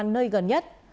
nơi gần nhất